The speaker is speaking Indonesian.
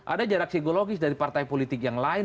ada jarak psikologis dari partai politik yang lain